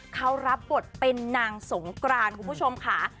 เขารับบทเป็นนางสงกรานคุณผู้ชมค่ะ